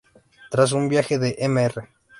Tras un viaje de Mr.